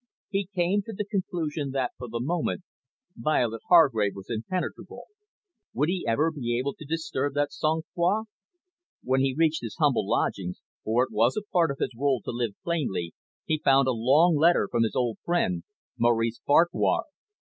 He came to the conclusion that, for the moment, Violet Hargrave was impenetrable. Would he ever be able to disturb that sang froid? When he reached his humble lodgings, for it was a part of his role to live plainly, he found a long letter from his old friend, Maurice Farquhar.